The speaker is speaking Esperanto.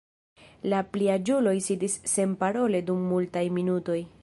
La pliaĝuloj sidis senparole dum multaj minutoj.